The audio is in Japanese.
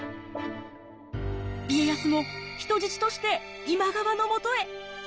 家康も人質として今川のもとへ。